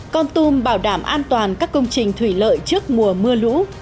con tùm bảo đảm an toàn các công trình thủy lợi trước mùa mưa